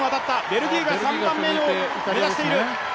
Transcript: ベルギーが３番目を目指している。